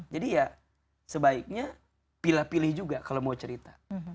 jadi ya sebaiknya pilih pilih juga kalau mau cerita